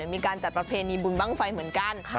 มีการจัดประเพณีบุญบ้างไฟเหมือนกัน